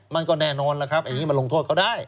มันก็แน่นอนมันลงโทษเขาได้